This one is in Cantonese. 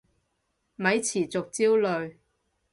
咪持續焦慮